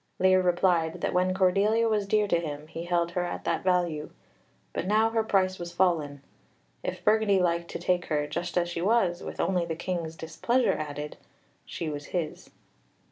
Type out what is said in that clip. Lear replied that when Cordelia was dear to him he held her at that value, but now her price was fallen. If Burgundy liked to take her, just as she was, with only the King's displeasure added, she was his.